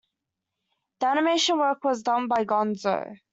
The animation work was done by Gonzo.